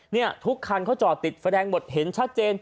นี่ทุกคันเขาจอดติดแสดงหมดเห็นชัดเจน